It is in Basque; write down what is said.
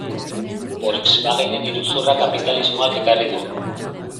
Volkswagenen iruzurra kapitalismoak ekarri du.